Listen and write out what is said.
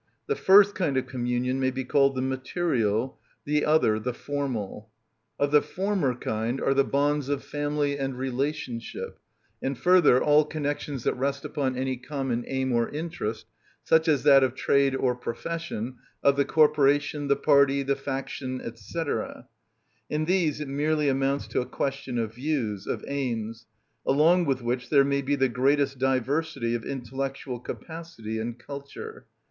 The first kind of communion may be called the material, the other the formal. Of the former kind are the bonds of family and relationship, and further, all connections that rest upon any common aim or interest, such as that of trade or profession, of the corporation, the party, the faction, &c. In these it merely amounts to a question of views, of aims; along with which there may be the greatest diversity of intellectual capacity and culture.